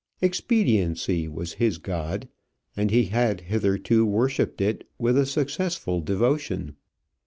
Expediency was his god, and he had hitherto worshipped it with a successful devotion.